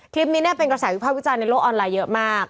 คลิปนี้เป็นกระแสวิภาพวิจารณ์ในโลกออนไลน์เยอะมาก